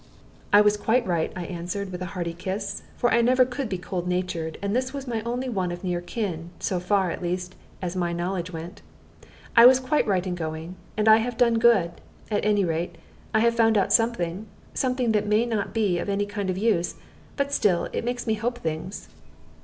"It was quite right," I answered, with a hearty kiss, for I never could be cold natured; and this was my only one of near kin, so far, at least, as my knowledge went. "I was quite right in going; and I have done good. At any rate, I have found out something something that may not be of any kind of use; but still it makes me hope things."